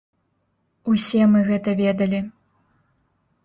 Усе мы гэта ведалі.